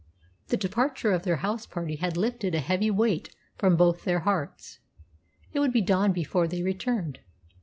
The departure of their house party had lifted a heavy weight from both their hearts. It would be dawn before they returned.